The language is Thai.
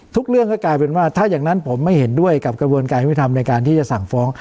เรื่องก็กลายเป็นว่าถ้าอย่างนั้นผมไม่เห็นด้วยกับกระบวนการยุทธรรมในการที่จะสั่งฟ้อง